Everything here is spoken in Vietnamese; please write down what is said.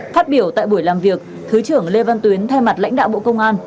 phát biểu tại buổi làm việc thứ trưởng lê văn tuyến thay mặt lãnh đạo bộ công an